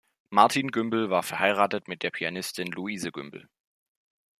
Martin Gümbel war verheiratet mit der Pianistin Luise Gümbel.